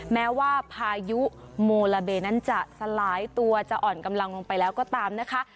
แม้ว่าพายุโมลาเบนั้นจะสลายตัวจะอ่อนกำลังลงไปแล้วก็ตามนะคะ